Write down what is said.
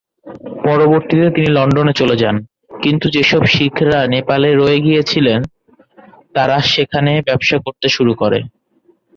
পরবর্তীতে, তিনি লন্ডনে চলে যান, কিন্তু যেসব শিখরা নেপালে রয়ে গিয়েছিল তারা সেখানে বসবাস করতে শুরু করে।